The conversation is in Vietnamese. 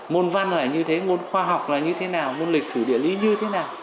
môn văn này như thế môn khoa học là như thế nào môn lịch sử địa lý như thế nào